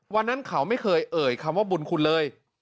วันนั้นเขาไม่เคยเอ่ยคำว่าบุญคุณเลย